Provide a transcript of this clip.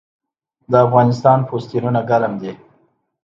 د افغانستان پوستینونه ګرم دي